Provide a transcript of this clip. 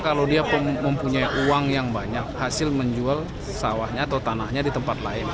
kalau dia mempunyai uang yang banyak hasil menjual sawahnya atau tanahnya di tempat lain